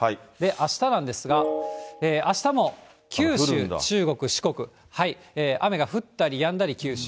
あしたなんですが、あしたも九州、中国、四国、雨が降ったりやんだり九州。